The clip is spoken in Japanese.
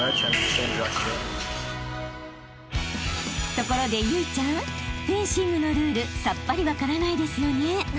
［ところで有以ちゃんフェンシングのルールさっぱり分からないですよね？］